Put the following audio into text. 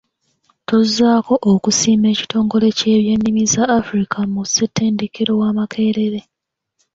Tuzzaako okusiima ekitongole kye by'ennimi za Africa mu ssettendekero wa Makerere.